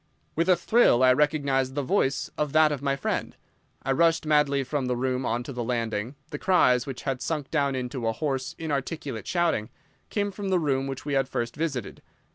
With a thrill I recognised the voice of that of my friend. I rushed madly from the room on to the landing. The cries, which had sunk down into a hoarse, inarticulate shouting, came from the room which we had first visited.